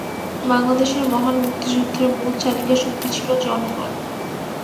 বাংলাদেশের মহান মুক্তিযুদ্ধের মূল চালিকাশক্তি ছিল জনগণ।